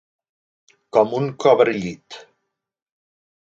Com un cobrellit.